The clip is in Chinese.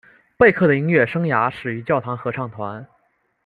贝克的音乐生涯始于教堂合唱团。